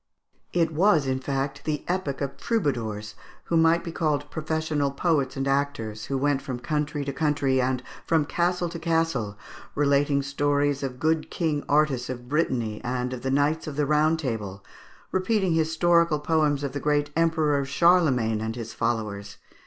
It was, in fact, the epoch of troubadours, who might be called professional poets and actors, who went from country to country, and from castle to castle, relating stories of good King Artus of Brittany and of the Knights of the Round Table; repeating historical poems of the great Emperor Charlemagne and his followers.